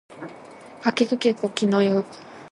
かきくけこきのゆ